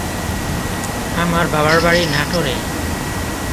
আমার বাবার বাড়ি নাটোরে।